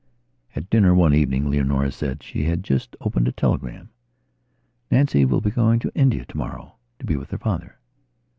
At dinner one evening Leonora saidshe had just opened a telegram: "Nancy will be going to India, tomorrow, to be with her father."